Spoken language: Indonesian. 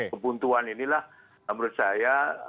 kebuntuan inilah menurut saya